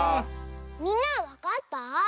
みんなはわかった？